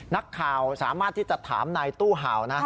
นักข่าวสามารถที่จะถามนายตู้เห่านะ